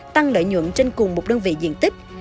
tăng lợi nhuận trên cùng một đơn vị diện tích